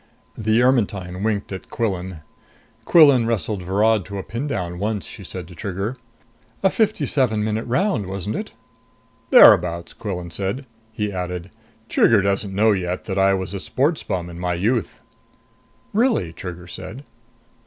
The Ermetyne winked at Quillan. "Quillan wrestled Virod to a pindown once," she said to Trigger. "A fifty seven minute round, wasn't it?" "Thereabouts," Quillan said. He added, "Trigger doesn't know yet that I was a sports bum in my youth." "Really?" Trigger said.